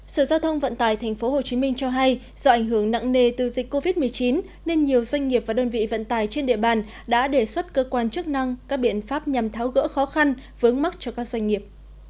sở giao thông vận tải tp hcm cho hay do ảnh hưởng nặng nề từ dịch covid một mươi chín nên nhiều doanh nghiệp và đơn vị vận tải trên địa bàn đã đề xuất cơ quan chức năng các biện pháp nhằm tháo gỡ khó khăn vướng mắt cho các doanh nghiệp